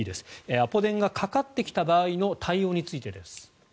アポ電がかかってきた場合の対応についてです。